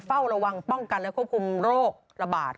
เฝ้าระวังป้องกันและควบคุมโรคระบาด